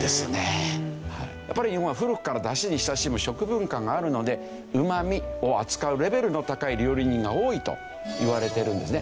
やっぱり日本は古くからだしに親しむ食文化があるのでうま味を扱うレベルの高い料理人が多いといわれてるんですね。